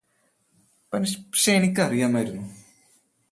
പക്ഷേ എനിക്കറിയാമായിരുന്നു